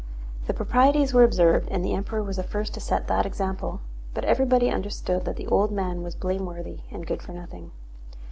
The proprieties were observed and the Emperor was the first to set that example, but everybody understood that the old man was blameworthy and good for nothing.